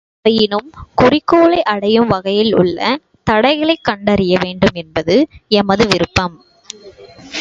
ஆயினும், குறிக்கோளை அடையும் வகையில் உள்ள தடைகளைக் கண்டறிய வேண்டும் என்பது நமது விருப்பம்.